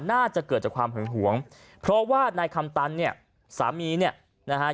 น่าจะเกิดจากความหึงหวงเพราะว่านายคำตันเนี่ยสามีเนี่ยนะฮะ